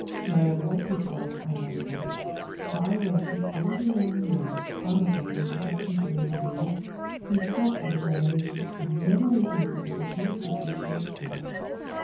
My unworthy self, I might say; for I was the only young man, honored by an introduction to Lady Lena, who stopped at admiration, and never made use of opportunity to approach love.